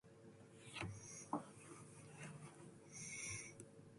The municipality is located in the industrial region westward of Lausanne.